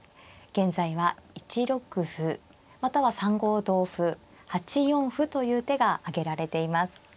現在は１六歩または３五同歩８四歩という手が挙げられています。